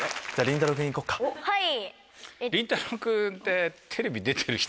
はい。